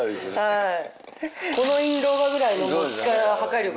はい。